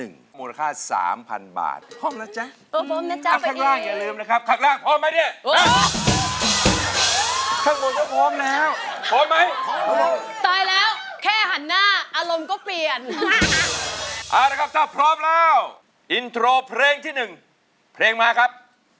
เอาดีรับเจ้าพร้อมแล้วอินโทรเพลงที่หนึ่งเพลงมาครับ